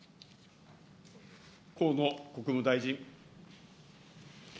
河野国務大臣。